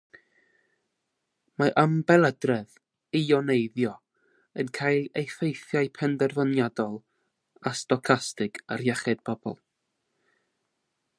Mae ymbelydredd ïoneiddio yn cael effeithiau penderfyniadol a stocastig ar iechyd pobl.